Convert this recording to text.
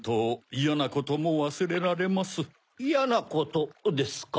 イヤなことですか？